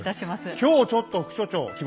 今日ちょっと副所長着物